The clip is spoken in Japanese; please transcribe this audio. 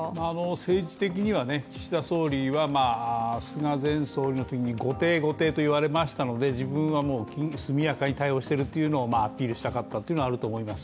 政治的には岸田総理は菅前総理のときに後手後手と言われましたので自分は速やかに対応しているというのをアピールしたかったというのはあると思います。